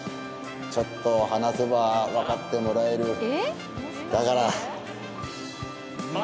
ちょっと話せば分かってもらえる